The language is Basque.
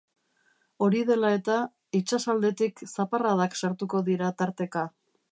Hori dela eta, itsasaldetik zaparradak sartuko dira tarteka.